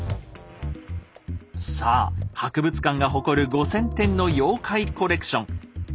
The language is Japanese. さあ博物館が誇る５，０００点の妖怪コレクション。